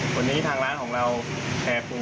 สั้นอีก๑ขวดนะครับ